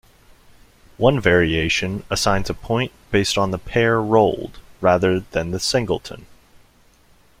One variation assigns a point based on the pair rolled, rather than the singleton.